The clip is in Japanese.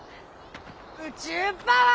宇宙パワー！